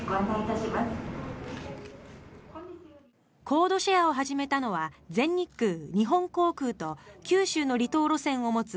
コードシェアを始めたのは全日空、日本航空と九州の離島路線を持つ